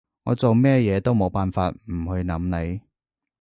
我做咩嘢都冇辦法唔去諗你